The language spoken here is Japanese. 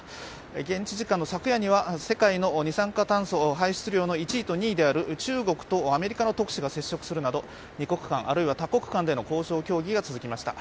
現地時間の昨夜には世界の二酸化炭素の排出量１位と２位であ中国とアメリカの特使が接触するなど二国間、あるいは多国間での交渉、協議が続きました。